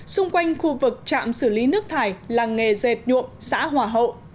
xung quanh khu vực trạm xử lý nước thải làng nghề dệt nhuộm xã hòa hậu